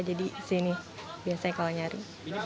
jadi disini biasanya kalau nyari